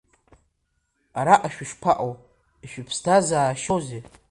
Араҟа шәышԥаҟоу, ишәыԥсҭазаашьоузеи?